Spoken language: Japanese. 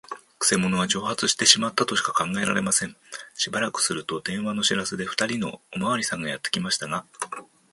くせ者は蒸発してしまったとしか考えられません。しばらくすると、電話の知らせで、ふたりのおまわりさんがやってきましたが、